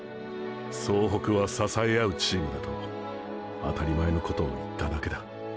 総北は支え合うチームだとあたり前のことを言っただけだ。